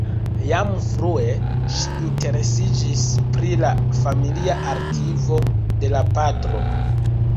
Jam frue ŝi interesiĝis pri la familia arkivo de la patro.